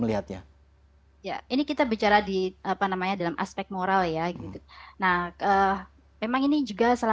heeft nya yang ini kita bicara di apa namanya dalam aspek moral ya gitu nah mungkin kita jugapacara akan